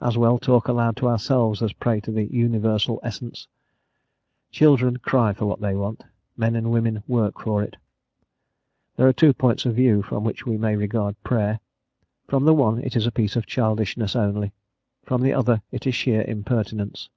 As well talk aloud to ourselves as pray to the universal Essence. Children cry for what they want; men and women work for it. There are two points of view from which we may regard prayer: from the one it is a piece of childishness only, from the other it is sheer impertinence.